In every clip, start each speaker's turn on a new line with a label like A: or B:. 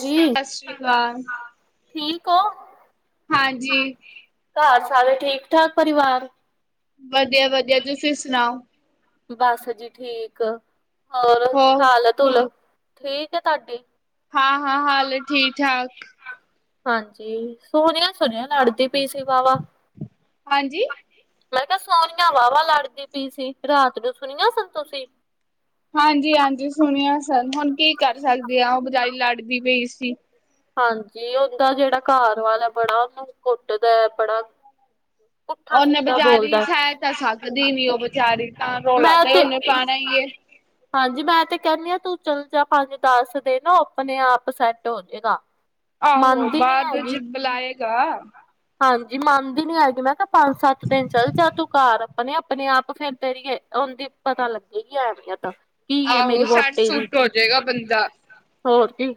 A: ਜੀ
B: ਸਤਿ ਸ਼੍ਰੀ ਅਕਾਲ।
A: ਠੀਕ ਹੋ?
B: ਹਾਂਜੀ
A: ਘ ਸਾਰੇ ਠੀਕ ਠਾਕ ਪਰਿਵਾਰ
B: ਵਧੀਆ ਵਧੀਆ ਤੁਸੀਂ ਸੁਣਾਓ?
A: ਬਸ ਜੀ ਠੀਕ ਹੋਰ
B: ਹੋਰ
A: ਹਾਲਤੁਲ ਠੀਕ ਹੈ। ਤੁਹਾਡੀ
B: ਹਾਂ ਹਾਂ ਹਾਲ ਠੀਕ-ਠਾਕ।
A: ਹਾਂਜੀ ਸੋਹਣਆ ਸੁਣਿਆ ਲੜਦੀ ਪਈ ਸੀ ਵਾਹਵਾ
B: ਹਾਂਜੀ
A: ਮੈਂ ਕਿਹਾ ਸੋਹਣੀਆਂ ਵਾਹਵਾ ਲੜਦੀ ਪਈ ਸੀ ਰਾਤ ਨੂੰ ਸੁਣੀਆਂ ਸੰਨ ਤੁਸੀਂ?
B: ਹਾਂਜੀ ਹਾਂਜੀ ਸੁਣਿਆ ਸਨ ਹੁਣ ਕੀ ਕਰ ਸਕਦੇ ਹ ਉਹ ਬਜਾਈ ਲੜਦੀ ਪਈ ਸੀ।
A: ਹਾਂਜੀ ਉਹਦਾ ਜਿਹੜਾ ਘਰ ਵਾਲਾ ਹੈ ਬੜਾ ਉਹਨੂੰ ਕੁੱਟਦਾ ਹੈ ਬੜਾ ਪੁੱਠਾ
B: ਉਹਨੇ
A: ਸਿੱਧਾ
B: ਬੇਚਾਰੀ
A: ਬੋਲਦਾ
B: ਸਹਿ ਤਾਂ ਸਕਦੀ ਨੀ ਉਹ ਬੇਚਾਰੀ ਤਾਂ ਰੌਲਾ ਤੇ ਉਹਨੇ ਪਾੈਣਾ ਈ ਏ
A: ਹਾਂਜੀ ਮੈਂ ਤੇ ਕਹਿੰਦੀ ਹ ਤੂੰ ਚੱਲ ਜਾ ਪੰਜ ਦਸ ਦਿਨ ਆਪਣੇ ਆਪ ਸੈਟ ਹੋ ਜਾਵੇਗਾ।
B: ਆਹੋ ਬਾਅਦ ਚਿ ਬਲਾਏਗਾ।
A: ਹਾਂਜੀ ਮੰਨਦੀ ਨੀ ਆਏਗੀ ਮੈਂ ਕਿਹਾ ਪੰਜ ਸੱਤ ਦਿਨ ਚੱਲ ਜਾ ਤੂੰ ਘਰ। ਆਪਾਂ ਨੇ ਆਪਣੇ ਆਪ ਫਿਰਦੇ ਰਹੀਏ ਉਹਦੀ ਪਤਾ ਲੱਗੇ ਹੀ ਐਵੇ ਆ ਤਾਂ ਕੀ ਏ ਮੇਰੀ
B: ਆਹੋ
A: ਵੋਟ
B: ਸੱਟ
A: ਦੀ,
B: ਸੁੱਟ ਹੋ ਜਾਏਗਾ ਬੰਦਾ
A: ਹੋਰ ਕੀ?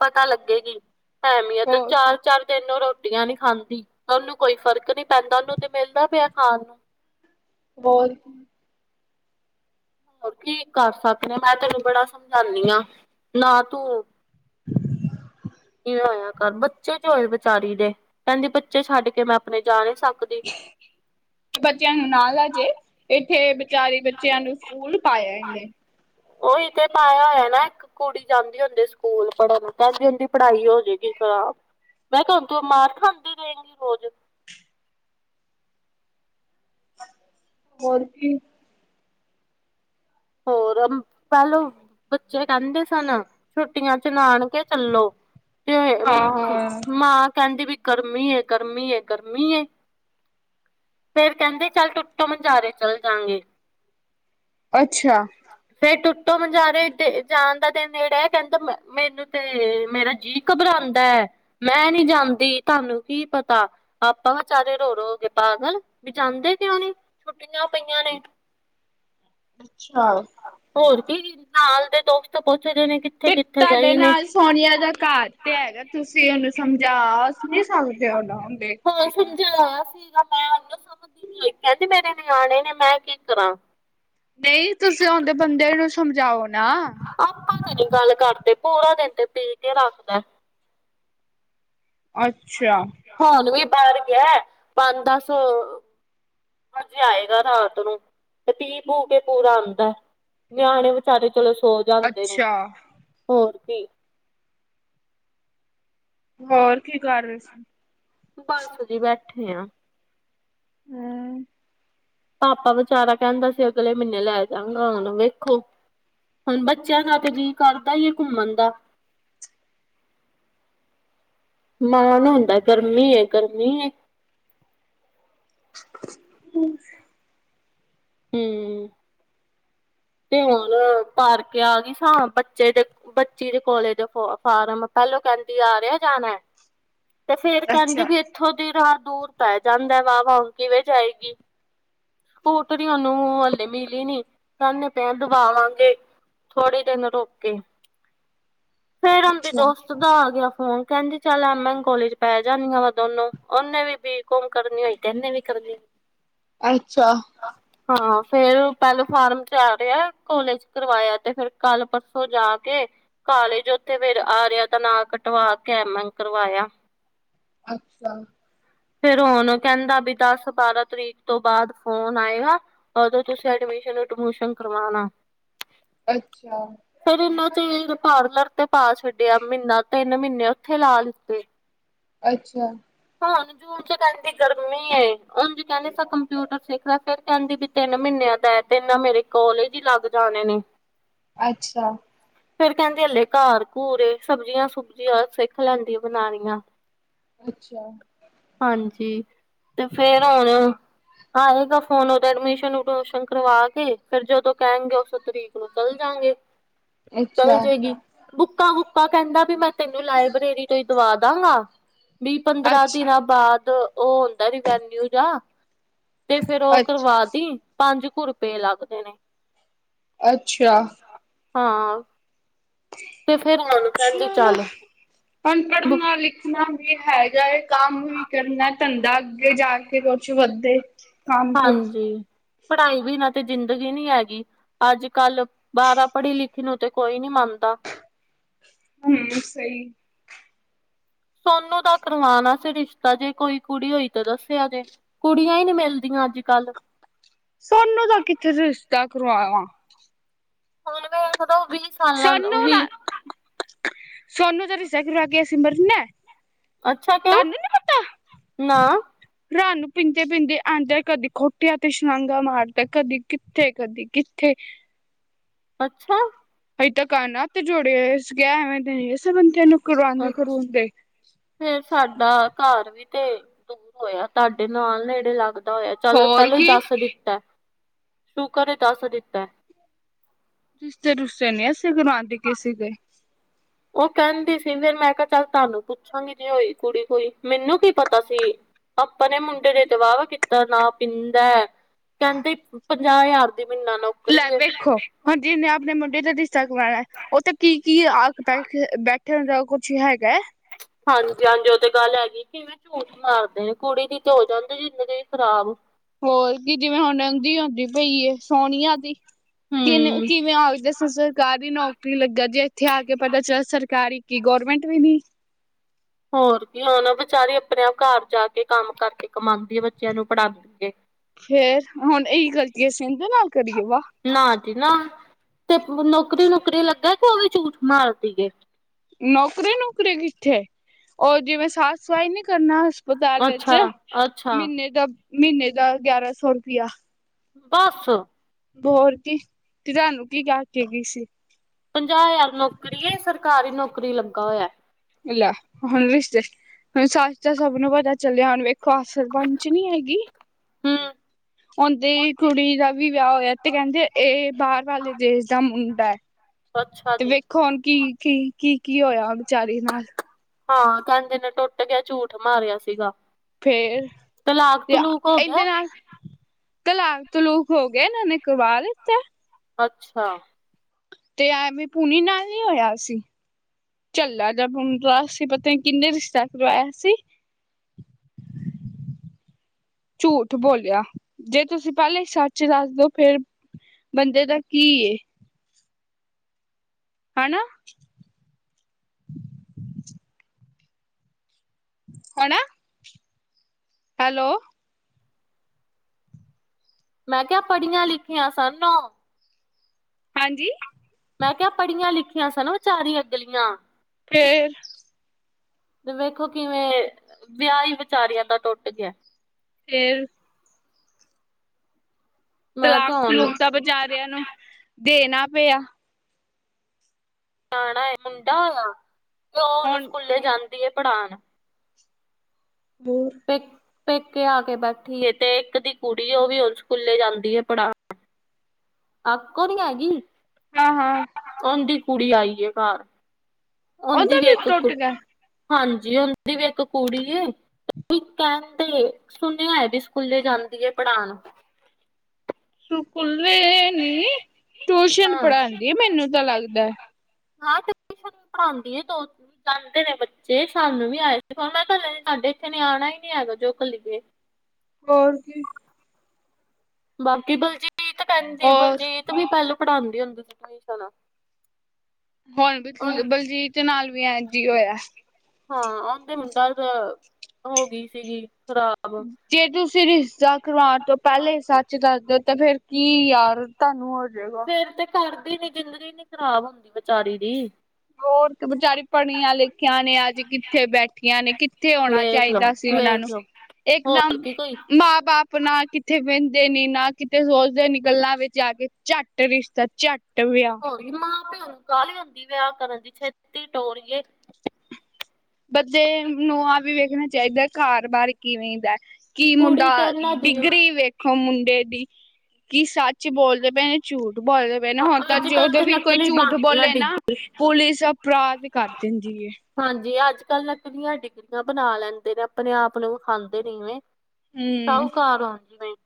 A: ਪਤਾ ਲੱਗੇਗੀ ਅਹਿਮੀਅਤ,
B: ਹੋਰ
A: ਚਾਰ-ਚਾਰ ਦਿਨ ਔ ਰੋ ਰੋਟੀਆਂ ਨੀ ਖਾਂਦੀ, ਔਨੂੰ ਕੋਈ ਫ਼ਰਕ ਨੀ ਪੈਂਦਾ, ਉਹਨੂੰ ਤੇ ਮਿਲਦਾ ਪਿਆ ਏ ਖਾਣ ਨੂੰ।
B: ਹੋਰ?
A: ਹੋਰ ਕੀ ਕਰ ਸਕਣੇ ਆ? ਮੈਂ ਤੇ ਏਨੂੰ ਬੜਾ ਸਮਝਾਣੀ ਆ, ਨਾ ਤੂੰ ਕੀ ਹੋਇਆ ਕਰ? ਬੱਚੇ ਜੇ ਹੋਏ ਬੇਚਾਰੀ ਦੇ, ਕਹਿੰਦੀ ਬੱਚੇ ਛੱਡ ਕੇ ਮੈਂ ਆਪਣੇ ਜਾ ਨਈ ਸਕਦੀ।
B: [inaudible] ਬੱਚੇਆਂ ਨੂੰ ਨਾਲ ਲੈਜੇ, ਏਥੇ ਬਿਚਾਰੇ ਬੱਚੇਆਂ ਨੂੰ ਸਕੂਲ ਪਾਏਆ ਏਨੇ।
A: ਉਈ ਤੇ ਪਾਇਆ ਹੋਏਆ ਨਾ ਏਕ? ਕੁੜੀ ਜਾਂਦੀ ਹੁੰਦੀ ਸਕੂਲ ਪੜ੍ਹਨ, ਕੈੰਦੀ ਹੁਂਦੀ ਪੜ੍ਹਾਈ ਹੋ ਜਾਏਗੀ ਖਰਾਬ। ਮੈਂ ਕਿਆ ਹੁਣ ਤੂੰ ਮਾਰ ਖਾਂਦੀ ਰੈਇੰਗੀ ਰੋਜ਼?
B: ਹੋਰ ਕੀ।
A: ਹੋਰ ਅਮ ਪੈਲੂ ਬੱਚੇ ਕੇਂਦੇ ਸਨ, ਛੁੱਟੀਆਂ ਚ ਨਾਣਕੇ ਚੱਲੋ। ਤੇ
B: ਹਾਂ ਹਾਂ
A: ਮਾਂ ਕਹੰਦੀ ਵੀ ਗਰਮੀ ਏ, ਗਰਮੀ ਏ, ਗਰਮੀ ਏ। ਫੇਰ ਕੇਂਦੇ ਚੱਲ ਤੁਟਮ ਮੰਜ਼ਾਰੇ ਚੱਲ ਜਾਗੇ।
B: ਅੱਛਾ।
A: ਫੇਰ ਟੁੱਟੋ ਮਜ਼ਾਰੇ ਤੇ ਜਾਣ ਦਾ ਦਿਨ ਨੇੜੇ ਆਯਾ, ਕਹਿੰਦਾ ਮੈਨੂੰ ਤੇ, ਮੇਰਾ ਜੀਅ ਘਬਰਾਉਂਦਾ ਐ। ਮੈਂ ਨੀ ਜਾਂਦੀ, ਤੁਹਾਨੂੰ ਕੀ ਪਤਾ? ਆਪਾਂ ਵਿਚਾਰੇ ਰੋ-ਰੋ ਗਏ ਪਾਗਲ। ਵੀ ਜਾਂਦੇ ਕਿਉਂ ਨਹੀਂ? ਛੁੱਟੀਆਂ ਪਈਆਂ ਨੇ।
B: ਅੱਛਾ।
A: ਹੋਰ ਕੀ? ਨਾਲ ਦੇ ਦੋਸਤ ਪੁੱਛਦੇ ਨੇ ਕਿੱਥੇ-ਕਿੱਥੇ
B: ਸਾਡੇ
A: ਗਏ ਨੇ।
B: ਨਾਲ ਸੋਨੀਆ ਦਾ ਕਾਰ ਤੇ ਹੈਗਾ ਏ, ਤੁਸੀਂ ਉਹਨੂੰ ਸਮਝਾ, ਨਈ ਸਮਝਦੇ ਹੁਣ ਔਂਦੇ
A: ਹੋਰ ਸਮਝਾਇਆ ਸੀ ਮੈਂਨ [unintelligible] ਕਹਿੰਦੀ ਮੇਰੇ ਨਿਆਣੇ ਨੇ, ਮੈਂ ਕੀ ਕਰਾਂ?
B: ਨਈ ਤੁਸੀਂ ਆਉਂਦੇ ਬੰਦੇ ਨੂੰ ਸਮਝਾਓ ਨਾ।
A: ਆਪਾਂ ਤੇ ਨੀ ਗੱਲ ਕਰਦੇ, ਪੂਰਾ ਦਿਨ ਤੇ ਪੀ ਤੇ ਰੱਖਦਾ ਏ।
B: ਅੱਛਾ।
A: ਹੁਣ ਵੀ ਬਾਹਰ ਗਿਆ, ਪਾੰ ਦਾਸ ਅ ਵਜੇ ਆਏਗਾ ਰਾਤ ਨੂੰ, ਤੇ ਪੀ ਪੂ ਕੇ ਪੂਰਾ ਆਉਂਦਾ ਏ। ਨਿਆਣੇ ਵਿਚਾਰੇ ਚਲੋ ਸੋ ਜਾਂਦੇ ਨੇ,
B: ਅੱਛਾ
A: ਹੋਰ ਕੀ।
B: ਹੋਰ ਕੀ ਕਰ ਰਏ ਸੀ?
A: ਬਸ ਜੀ ਬੈਠੇ ਆ।
B: ਹੂੰ।
A: ਪਾਪਾ ਬਿਚਾਰਾ ਕਹਿੰਦਾ ਸੀ, ਅਗਲੇ ਮਹੀਨੇ ਲੈ ਜਾਗਾ, ਹੁਨ ਵੇਖੋ? ਹੁਨ ਬੱਚੇਆਂ ਦਾ ਤੇ ਜੀ ਕਰਦਾ ਈ ਏ ਘੁੰਮਨ ਦਾ।
B: [inaudible]
A: ਮਾਂ ਨੂੰ ਹੁੰਦਾ ਏ ਗਰਮੀ ਏ, ਗਰਮੀ ਏ।
B: [inaudible]
A: ਹੂੰ। ਤੇ ਹੁਣ ਭਰ ਕੇ ਆ ਗਈ ਸਾਂ, ਬੱਚੇ ਦੇ ਬੱਚੀ ਦੇ ਕੋਲੇਜ ਫੋ ਫਾਰਮ, ਪਹਿਲੋਂ ਕਹਿੰਦੀ ਆਰਿਆ ਜਾਨਾ ਏ। ਤੇ ਫੇਰ
B: ਅੱਛਾ।
A: ਕਹਿੰਦੀ ਵੀ ਇੱਥੋਂ ਦੀ ਰਾਹ ਦੂਰ ਪੈ ਜਾਂਦਾ ਏ ਵਾ-ਵਾ, ਹੁਣ ਕਿਵੇਂ ਜਾਏਗੀ? ਸਕੂਟਰੀ ਉਹਨੂੰ ਹੱਲੇ ਮਿਲੀ ਨੀ। ਕਹਿਣੇ ਪਏ ਆ ਦਵਾਵਾਂਗੇ, ਥੋੜੇ ਦਿਨ ਰੁਕ ਕੇ। ਫੇਰ ਔਂਦੀ
B: ਅੱਛਾ,
A: ਦੋਸ ਤ ਆ ਗਿਆ ਫੋਨ, ਕਹਿੰਦੀ ਚੱਲ ਐਮ ਐਨ ਕੋਲੇਜ ਪੈ ਜਾਂਨਿਆ ਵਾ ਦੋਨੋ, ੳਨੇ ਵੀ ਬੀ ਕੌਮ ਕਰਨੀ ਹੋਈ ਤੇ ਏਨੇ ਵੀ ਕਰਨੀ।
B: [inaudible] ਅੱਛਾ।
A: ਹਾਂ ਫੇਰ ਪਹਿਲੇ ਫਾਰਮ ਜਾ ਰਿਹਾ ਕੋਲੇਜ ਕਰਵਏਆ ਤੇ ਫੇਰ ਕੱਲ ਪਰਸੋਂ ਜਾ ਕੇ ਕਾਲਜ ਉੱਥੇ ਫੇਰ ਆਰਿਆ ਤਾਂ ਨਾਂ ਕਟਵਾ ਕੇ ਐਮ ਏਨ ਕਰਵਾਏਆ।
B: ਅੱਛਾ।
A: ਫੇਰ ਹੁਣ ਕਹਿੰਦਾ ਵੀ ਦਸ ਬਾਰਾਂ ਤਰੀਕ ਤੋਂ ਬਾਅਦ ਫੋਨ ਆਏਗਾ। ਉਦੋਂ ਤੁਸੀਂ ਐਡਮਿਸ਼ਨ ੳਡਮਿਸ਼ਨ ਕਰਵਾਨਾ।
B: ਅੱਛਾ।
A: ਫੇਰ ਇਹਨਾਂ ਚ ਪਾਰਲਰ ਤੇ ਪਾ ਛੱਡਿਆ ਮਹੀਨਾ ਤਿੰਨ ਮਹੀਨੇ ਉੱਥੇ ਲਾ ਲਿੱਤੇ।
B: ਅੱਛਾ
A: ਹੁਣ ਜੂਨ ਚ ਕਹਿੰਦੀ ਗਰਮੀ ਏ, ਉਂਝ ਕਹਿੰਦੇ ਸਰ ਕੰਪਿਊਟਰ ਸਿੱਖਲੈ ਫਿਰ ਕਹਿੰਦੀ ਬਈ ਤਿੰਨ ਮਹੀਨਿਆਂ ਦਾ ਐ, ਤਿੰਨ ਮੇਰੇ ਕੋਲੇਜ ਹੀ ਲੱਗ ਜਾਣੇ ਨੇ।
B: ਅੱਛਾ
A: ਫੇਰ ਕਹਿੰਦੇ ਹੱਲੇ ਘਰ ਘੂਰ ਏ, ਸਬਜ਼ੀਆਂ- ਸੁਬਜ਼ੀਆਂ ਸਿੱਖ ਲੈਂਦੀ ਬਨਾਣੀਆਂ।
B: ਅੱਛਾ।
A: ਹਾਂਜੀ, ਤੇ ਫੇਰ ਹੋਣ ਆਏਗਾ ਫੋਨ ਓਦੋਂ ਐਡਮਿਸ਼ਨ - ਉਡਮਿਸ਼ਨ ਕਰਵਾ ਕੇ, ਫੇਰ ਜਦੋਂ ਕਹਿਣਗੇ ਉਸੇ ਤਰੀਕ ਨੂੰ ਚੱਲ ਜਾਂਗੇ। ਚੱਲੇ ਜਾਏਗੀ ਬੁਕਾ ਵੁਕਾ ਕਹਿੰਦਾ ਵੀ ਮੈਂ ਤੈਨੂੰ ਲਾਇਬ੍ਰੇਰੀ ਤੋਂ ਵੀ ਦਵਾ ਦਾਂਗਾ ਵੀਹ ਪੰਦਰਾਂ
B: ਅੱਛਾ,
A: ਦਿਨਾਂ ਬਾਅਦ ਉਹ ਹੂਂਦਾ ਰਿਵੈਨਿਊ ਜਾ ਤੇ ਫੇਰ ਉਹ
B: ਅੱਛਾ,
A: ਕਰਵਾ ਤੀ। ਪੰਜ ਕੁ ਰੁਪਏ ਲਾਗਦੇ ਨੇ।
B: ਅੱਛਾ।
A: ਹਾਂ। ਤੇ ਫੇਰ ਹੁਣ ਕਹਿੰਦੀ
B: ਚਲੋ
A: ਚੱਲ
B: ਅਨਪੜ੍ਹ ਨਾਲ ਈ ਮਹਿੰਗਾਈ ਹੈ ਹੀ ਜਾਏ ਏ ਵੀ ਕਰਨਾ ਧੰਦਾ ਅੱਗੇ ਜਾ ਕੇ ਕੁਛ ਵੱਦੇ।
A: ਹਾਂਜੀ ਪੜ੍ਹਾਈ ਵਿਨਾ ਤੇ ਜ਼ਿੰਦਗੀ ਨੀ ਹੈਗੀ। ਅੱਜ ਕੱਲ ਬਾਰਾਂ ਪੜ੍ਹੀ ਲਿਖੀ ਨੂੰ ਤੇ ਕੋਈ ਨੀ ਮਾੰਨਦਾ।
B: ਹੂੰ ਸਈ।
A: ਸੋਨੂੰ ਤਾਂ ਕਰਵਾਣਾ ਸੀ ਰਿਸ਼ਤਾ, ਜੇ ਕੋਈ ਕੁੜੀ ਹੋਈ ਤਾਂ ਦੱਸਿਆ ਜੇ। ਕੁੜੀਆਂ ਹੀ ਨਹੀਂ ਮਿਲਦੀਆਂ ਅੱਜ ਕੱਲ੍ਹ।
B: ਸੋਨੂੰ ਦਾ ਕਿੱਥੇ ਰਿਸ਼ਤਾ ਕਰਵਾ।
A: ਹੁਣ ਮੈਂ [unintelligible]
B: ਸੋਨੂੰ ਨਾ, ਸੋਨੂੰ ਦਾ ਰਿਸ਼ਤਾ ਕਰਵਾ ਕੇ ਅਸੀਂ ਮਰਨੈ।
A: ਅੱਛਾ ਕਿਉਂ
B: ਤੈਨੂੰ ਨੀ ਪਤਾ।
A: ਨਾ
B: ਰਾਾਹ ਨੂੰ ਪੀਂਦੇ-ਪੀਂਦੇ ਆਉਂਦਾ, ਕਦੀ ਖੋਟਿਆਂ ਤੇ ਸ਼ਾਂਘ ਮਾਰਦਾ, ਕਦੀ ਕਿੱਥੇ, ਕਦੀ ਕਿੱਥੇ।
A: ਅੱਛਾ
B: ਅਸੀਂ ਤੇ ਕਾਨਾ ਤੇ ਜੋੜੇਆ, ਅਸੀਂ ਕਿਆ ਐਵੇਂ ਤੇ ਨੀ ਕਿਸੇ ਬੰਦੇ ਨੂੰ ਕਰਾਂਦੇ
A: ਅੱਛ
B: ਕਰੁੰਦੇ।
A: ਫੇਰ ਸਾਡਾ ਘਰ ਵੀ ਤੇ ਦੂਰ ਹੋਇਆ, ਤਾਡੇ ਨਾਲ ਨੇੜੇ ਲੱਗਦਾ ਹੋਇਆ। ਚੱਲੌ
B: ਹੋਰ
A: ਪਹਿਲਾਂ ਹੀ
B: ਕੀ,
A: ਦੱਸ ਦਿੱਤੈ, ਸ਼ੂਕਰ ਏ ਦੱਸ ਦਿੱਤੈ।
B: ਰਿਸ਼ਤੇ-ਰੁਸ਼ਤੇ ਨੀ ਅਸੀਂ ਕਰਾਂਦੇ ਕਿਸੇ ਦੇ।
A: ਉਹ ਕਹਿੰਦੀ ਸੀ ਫਿਰ ਮੈਂ ਕਿਹਾ ਚੱਲ ਤੁਹਾਨੂੰ ਪੁੱਛਾਂਗੀ ਜੇ ਹੋਈ ਕੁੜੀ ਕੋਈ। ਮੈਨੂੰ ਕੀ ਪਤਾ ਸੀ ਆਪਾਂ ਨੇ ਮੁੰਡੇ ਨੇ ਤਾਂ ਵਾਵਾ ਕੀਤਾ ਦਾ, ਨਾ ਪੀਂਦਾ। ਕਹਿੰਦੇ ਪੰਜਾਹ ਹਜ਼ਾਰ ਦੇ ਮੀਨਾ ਨੂੰ।
B: ਲੈ ਵੇਖੋ, ਹਾਂਜੀ ਨੇ ਆਪਣੇ ਮੁੰਡੇ ਦਾ ਰਿਸ਼ਤਾ ਕਰਵਾਐ। ਉੱਥੇ ਕੀ-ਕੀ ਆਖ ਬੈਠ ਬੈਠਣ ਦਾ ਕੁਛ ਹੈਗੈ?
A: ਹਾਂਜੀ-ਹਾਂਜੀ, ਉਹ ਤੇ ਗੱਲ ਹੈਗੀ। ਕਿਵੇਂ ਝੂਠ ਮਾਰਦੇ ਨੇ, ਕੁੜੀ ਦੀ ਤੇ ਹੋ ਜਾਂਦੀ ਜੇ ਜਿੰਦਗੀ ਖਰਾਬ।
B: ਹੋਰ ਕੀ, ਜਿਵੇਂ ਹੁਣ ਨੰਦੀ ਹੋਂਦੀ ਪਈ ਏ, ਸੋਨੀਆ ਦੀ। ਕਿਨੇ
A: ਹੂੰ
B: ਕਿਵੇਂ ਆਲ ਦੇ ਸ ਸ ਕਾਹਦੀ ਨੌਕਰੀ ਲੱਗਾ, ਜੇ ਇੱਥੇ ਆ ਕੇ ਪਤਾ ਚੱਲ ਸਰਕਾਰੀ ਕੀ ਗੌਰਮੈਂਟ ਵੀ ਨੀ।
A: ਹੋਰ ਕੀ, ਹੁਣ ਵਿਚਾਰੀ ਆਪਣੇ ਆਪ ਘਰ ਜਾ ਕੇ ਕੰਮ ਕਰਕੇ ਕਮਾਉਂਦੀ ਹੈ ਬੱਚਿਆਂ ਨੂੰ ਪੜ੍ਹਾਉਂਦੀ ਹੈ।
B: ਫੇਰ ਹੁਣ ਇਹੀ ਗਲਤੀ ਅਸੀ ਐਂਦੇ ਨਾਲ ਕਰੀਏ? ਵਾਹ
A: ਨਾ ਜੀ ਨਾ, ਤੇ ਨੌਕਰੀ-ਨੁਕਰੀ ਲੱਗਾ ਕੇ ਉਹ ਵੀ ਝੂਠ ਮਾਰਦੀ ਏ।
B: ਨੌਕਰੀ- ਨੁਕਰੀ ਕਿੱਥੇ। ਓ ਜਿਵੇਂ ਸਾਫ਼ ਸਫ਼ਾਈ ਨਹੀਂ ਕਰਨਾ ਅਜ ਹਸਪਤਾਲ ਵਿੱਚ,
A: ਅੱਛਾ ਅੱਛਾ
B: ਮੀਹੀਨੇ ਦਾ, ਮੀਹੀਨੇ ਦਾ ਗਿਆਰਾਂ ਸੌ ਰੁਪਇਆ।
A: ਬੱਸ,
B: ਹੋਰ ਕੀ, ਤੇ ਤੁਹਾਨੂੰ ਕੀ ਕਹਿ ਕੇ ਗਈ ਸੀ?
A: ਪੰਜਾਹ ਹਜ਼ਾਰ ਨੌਕਰੀ ਐ ਸਰਕਾਰੀ ਨੌਕਰੀ ਲੱਗਾ ਹੋਇਆ।
B: [unintelligible] ਹੁਣ ਸੱਚ ਤਾਂ ਸਭ ਨੂੰ ਪਤਾ ਚੱਲਿਆ, ਹੁਣ ਵੇਖੋ ਸਰਪੰਚ ਨੀ ਹੈਗੀ।
A: ਹਮ।
B: ਓਦੀ ਦੀ ਕੁੜੀ ਦਾ ਵੀ ਵਿਆਹ ਹੋਇਆ, ਤੇ ਕਹਿੰਦੇ ਇਹ ਬਾਹਰ ਵਾਲੇ ਦੇਸ਼ ਦਾ ਮੁੰਡਾ ਹੈ।
A: ਅੱਛਾ। ਜੀ।
B: ਵੇਖੋ ਹੁਣ ਕੀ- ਕੀ -ਕੀ -ਕੀ ਹੋਇਆ ਵਿਚਾਰੀ ਨਾਲ।
A: ਹਾਂ, ਕਹਦੇ ਨੇ ਟੁੱਟ ਗਿਆ, ਝੂਠ ਮਾਰਿਆ ਸੀਗਾ।
B: ਫੇਰ
A: ਤਲਾਕ ਤਲੂਕ ਹੋ
B: ਇਹਦੇ
A: ਗਿਆ?
B: ਨਾਲ ਤਲਾਕ ਤਲੂਕ ਹੋ ਗਿਆ, ਇਹਨਾਂ ਨੇ ਕਰਵਾ ਲਿਤਾ ਹੈ।
A: ਅੱਛਾ।
B: ਤੇ ਐਵੇਂ ਪੂਣੀ ਨਾਲ ਨੀਂ ਹੋਇਆ ਸੀ? ਚੱਲਾ ਜਾ ਮੁੰਡਾ ਸੀ, ਪਤਾ ਨੀ ਕਿੰਨੇ ਰਿਸ਼ਤਾ ਕਰਾਯਾ ਸੀ। [inaudible] ਝੂਠ ਬੋਲਿਆ, ਜੇ ਤੁਸੀਂ ਪਹਿਲੇ ਹੀ ਸੱਚ ਦੱਸ ਦੋ, ਫੇਰ ਬੰਦੇ ਦਾ ਕੀ ਏ। ਹੈ ਨਾ। ਹਣਾ। ਹੈਲੋ
A: ਮੈਂ ਕਿਹਾ ਪੜ੍ਹੀਆਂ ਲਿਖੀਆਂ ਸਨ ਓ।
B: ਹਾਂਜੀ।
A: ਮੈਂ ਕਿਹਾ ਪੜ੍ਹੀਆਂ ਲਿਖੀਆਂ ਸਨ ਵਿਚਾਰੀਆਂ ਅਗਲੀਆਂ।
B: ਫੇਰ
A: ਤੇ ਵੇਖੋ ਕਿਵੇਂ, ਵਿਆਹ ਹੀ ਵਿਚਾਰੀਆਂ ਦਾ ਟੁੱਟ ਗਿਆ।
B: ਫੇਰ।
A: ਮੈਂ ਤੇ
B: ਤਲਾਕ
A: ਹੁਣ
B: ਤਲੂਕ ਤਾਂ ਬਚਾਰਿਆਂ ਨੂੰ ਦੇਣਾ ਪਿਆ।
A: ਜਾਣਾ ਐ ਮੁੰਡਾ ਹੋਇਆ ਤੇ ਉਹ ਹੁਣ ਸਕੂਲੇ ਜਾਂਦੀ ਪੜ੍ਹਾਉਣ
B: ਹੋਰ।
A: ਪੇ ਪੇਕੇ ਆ ਕੇ ਬੈਠੀ ਐ, ਤੇ ਇੱਕ ਦੀ ਕੁੜੀ ਉਹ ਵੀ ਹੁਣ ਸਕੂਲੇ ਜਾਂਦੀ ਹੈ ਪੜ੍ਹਾ ਆਪਕੋ ਨੀ ਆਏਗੀ?
B: ਹਾਂ।
A: ਓਨਦੀ ਕੁੜੀ ਆਈ ਹੈ ਘਰ ਓਨਦੀ
B: ਉਹਦਾ
A: ਵੀ ਇੱਕ
B: ਟੁੱਟ
A: ਕੁੜੀ
B: ਗਿਆ
A: ਹਾਂਜੀ, ਉਨਦੀ ਵੀ ਇੱਕ ਕੁੜੀ ਐ। ਕੋਈ ਕਹਿੰਦੇ ਸੁਣਿਆ ਏ ਵੀ ਸਕੂਲੇ ਜਾਂਦੀ ਹੈ ਪੜਾਨ।
B: ਸਕੂਲੇ ਨੀ, ਟੀਊਸ਼ਨ
A: ਹਾਂ।
B: ਪੜੋਦੀ ਹੈ ਮੈਨੂੰ ਤਾਂ ਲੱਗਦਾ ਹੈ।
A: ਹਾਂ। ਤੇ ਟਿਊਸ਼ਨ ਵੀ ਪੜਾਦੀ ਹੈ ਦੁ ਜਾਂਦੇ ਨੇ ਬੱਚੇ ਸਾਨੂੰ ਵੀ ਆਏ ਸੀ ਹੁਣ ਮੈਂ ਇਕੱਲੇ ਸਾਡੇ ਇੱਥੇ ਨਿਆਣਾ ਹੀ ਨੀ ਹੈਗਾ ਜੋ ਘਲੀਏ
B: ਹੋਰ ਕੀ
A: ਬਾਕੀ ਭਾਜੀ ਤੇ ਕਹਿੰਦੀ
B: ਹੋਰ
A: ਭਾਜੀ ਤੇ ਮ ਪਹਿਲੂ ਪੜ੍ਹਾਉਂਦੀ ਹੁੰਦੀ ਸੀ ਹਮੇਸ਼ਾ ਨਾਲ
B: ਹੁਣ ਬਲਜੀਤ, ਬਲਜੀਤ ਦੇ ਨਾਲ ਵੀ ਐਂਜ ਹੋਇਆ ਹੈ।
A: ਹਾਂ ਆਦੇ ਮੁੰਡਾ ਹੋ ਗਈ ਸੀਗੀ ਖਰਾਬ
B: [inaudible] ਜੇ ਤੁਸੀਂ ਰਿਸ਼ਤਾ ਕਰਵਾਉਣ ਤੋਂ ਪਹਿਲੇ ਸੱਚ ਦੱਸ ਦਿਓ ਤਾਂ ਫੇਰ ਕੀ ਯਾਰ ਤੁਹਾਨੂੰ ਹੋ ਜਾਏਗਾ।
A: ਫੇਰ ਤੇ ਕਰਦੀ ਨੀ ਜ਼ਿੰਦਗੀ ਨੀ ਖਰਾਬ ਹੁੰਦੀ ਵਿਚਾਰੀ ਦੀ।
B: ਹੋਰ ਤੇ ਬਚਾਰੀ ਪੜ੍ਹੀਆਂ ਲਿਖੀਆ ਨੇ ਅੱਜ ਕਿੱਥੇ ਬੈਠੀਆਂ ਨੇ ਕਿੱਥੇ ਹੋਣਾ ਸੀ
A: ਵੇਖ ਲੋ
B: ਚਾਹੀਦਾ ਸੀ ਉਹਨਾਂ ਨੂੰ,
A: ਵੇਖ ਲੋ ਹੋਰ
B: ਇੱਕਦਮ
A: ਕੀ ਕੋਈ
B: ਮਾਂ ਬਾਪ ਪ ਨਾ ਕਿਥੇ ਬਹਿੰਦੇ ਨੇ ਨਾ ਕਿਤੇ ਸੋਚਦੇ ਨੇ, ਗੱਲਾਂ ਵਿੱਚ ਆ ਕੇ ਝੱਟ ਰਿਸ਼ਤਾ ਝੱਟ ਵਿਆਹ
A: ਮਾਂ-ਪਿਓ ਨੂੰ ਕਾਲੀ ਹੁੰਦੀ ਵਿਆਹ ਕਰਨ ਦੀ ਛੇਤੀ ਤੋਰੀਏ
B: ਬਦੇ ਨੂੰ ਆਹ ਵੀ ਵੇਖਣਾ ਚਾਹੀਦਾ, ਘਰ ਬਾਹਰ ਕਿਵੇਂ ਦਾ ਐ। ਕੀ ਮੁੰਡਾ
A: ਕੁੜੀ ਤੇ ਉਹਨਾਂ ਦੀ
B: ਡਿਗਰੀ ਵੇਖ ਵੇਖੋ ਮੁੰਡੇ ਦੀ, ਕਿ ਸੱਚ ਬੋਲਦੇ ਪਏ ਨੇ ਝੂਠ ਬੋਲਦੇ ਪ ਨਾ ਹੁਣ ਤਾਂ
A: ਅੱਜ ਕੱਲ
B: ਜਦੋਂ
A: ਤੇ
B: ਵੀ ਕੋਈ
A: ਨਕਲੀ ਬਣ
B: ਝੂਠ
A: ਗਈਆਂ
B: ਬੋਲੇ
A: ਡਿਗ
B: ਨਾ ਪੁਲਿਸ ਅਪਰਾਧ ਕਰ ਦਿੰਦੀ ਐ।
A: ਹਾਂਜੀ, ਅੱਜ-ਕੱਲ੍ਹ ਨਕਲੀਆਂ ਡਿਗਰੀਆਂ ਬਨਾ ਲੈਂਦੇ ਨੇ, ਆਪਨੇ ਆਪ ਨੂੰ ਵਖਾਂਦੇ ਨਹੀ ਨੇ।
B: ਹੂੰ
A: ਸਾਹੂਕਾਰ, ਹਾਂਜੀ [unintelligible]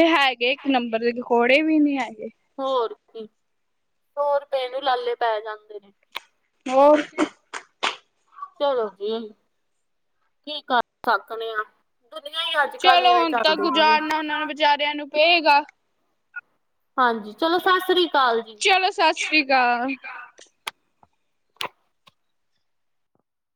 B: ਏਹ ਹੈਗੇ ਇੱਕ ਨੰਬਰ ਦੇ, ਕਿਕੌੜੇ ਵੀ ਨੀ ਹੈਗੇ।
A: ਹੋਰ ਕੀ [inaudible] ਦੋ-ਰੁਪਏ ਨੂੰ ਲਾਲੇ ਪੈ ਜਾਂਦੇ ਨੇ।
B: ਹੋਰ,
A: ਚਲੋ ਜੀ, ਕੀ ਕਰ ਸਕਨੇ ਆਂ।
B: ਚਲੋ ਹੁਣ ਤਾਂ
A: ਪਈ ਏ
B: ਗੁਜ਼ਾਰਨਾ ਉਹਨਾਂ ਨੂੰ, ਵਿਚਾਰਿਆਂ ਨੂੰ ਪਏਗਾ।
A: [inaudible] ਹਾਂਜੀ, ਚਲੋ ਸਤਿ ਸ੍ਰੀ ਅਕਾਲ। ਜੀ।
B: ਚਲੋ, ਸਤਿ ਸ਼੍ਰੀ ਅਕਾਲ।